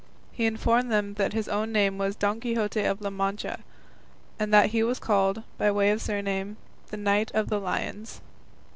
He informed them that his own name was Don Quixote of La Mancha, and that he was called, by way of surname, the Knight of the Lions.